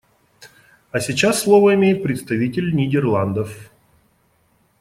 А сейчас слово имеет представитель Нидерландов.